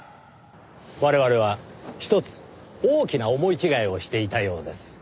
我々はひとつ大きな思い違いをしていたようです。